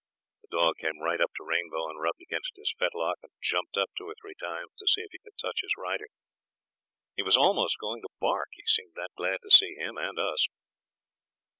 The dog came right up to Rainbow and rubbed against his fetlock, and jumped up two or three times to see if he could touch his rider. He was almost going to bark, he seemed that glad to see him and us.